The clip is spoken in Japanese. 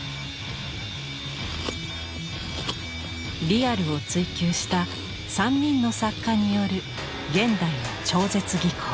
リアルを追求した３人の作家による現代の超絶技巧。